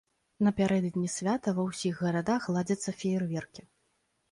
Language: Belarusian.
Напярэдадні свята ва ўсіх гарадах ладзяцца феерверкі.